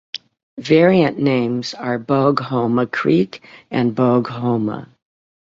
Variant names are"Bogue Homa Creek" and "Bogue Homer".